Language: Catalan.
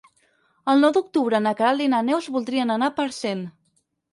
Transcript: El nou d'octubre na Queralt i na Neus voldrien anar a Parcent.